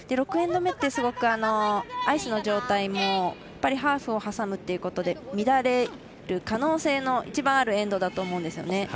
６エンド目ってアイスの状態もやっぱりハーフを挟むっていうことで乱れる可能性の一番あるエンドだと思うんですよね。